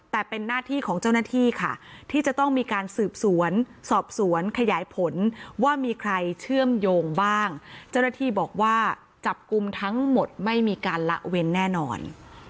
แต่เป็นหน้าที่ของเจ้าหน้าที่ค่ะที่จะต้องมีการสืบสวนสอบสวนขยายผลว่ามีใครเชื่อมโยงบ้างเจ้าหน้าที่บอกว่าจับกลุ่มทั้งหมดไม่มีการละเว้นแน่นอน